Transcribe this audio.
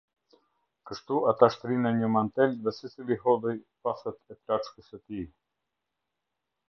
Kështu ata shtrinë një mantel dhe secili hodhi vathët e plaçkës së tij.